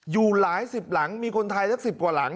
อยู่หลายสิบหลังมีคนไทยสัก๑๐กว่าหลัง